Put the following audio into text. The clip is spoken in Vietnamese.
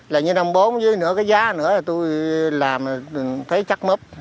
là như năm trăm linh bốn với nửa cái giá nữa là tôi làm thấy chắc mấp